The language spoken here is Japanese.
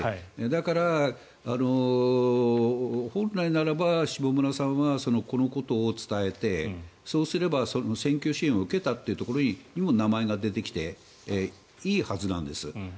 だから、本来ならば下村さんはこのことを伝えてそうすれば選挙支援を受けたというところにも名前が出てきていいはずなんです。